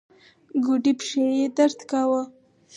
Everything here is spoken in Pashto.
ګوډې پښې يې درد کاوه.